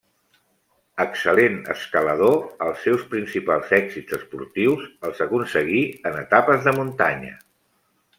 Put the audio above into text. Excel·lent escalador, els seus principals èxits esportius els aconseguí en etapes de muntanya.